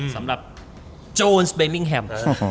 สำหรับโจนส์เปมมิงแฮม